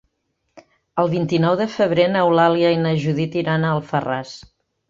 El vint-i-nou de febrer n'Eulàlia i na Judit iran a Alfarràs.